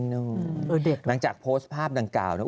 หลังจากโพสต์ภาพดังกล่าวนะ